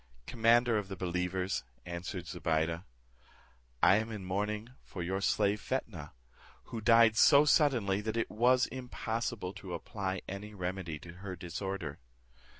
"Commander of the believers," answered Zobeide, "I am in mourning for your slave Fetnah; who died so suddenly that it was impossible to apply any remedy to her disorder."